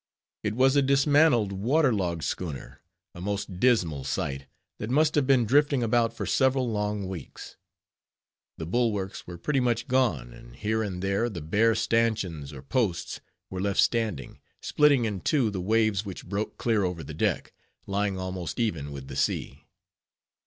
It was a dismantled, water logged schooner, a most dismal sight, that must have been drifting about for several long weeks. The bulwarks were pretty much gone; and here and there the bare stanchions, or posts, were left standing, splitting in two the waves which broke clear over the deck, lying almost even with the sea.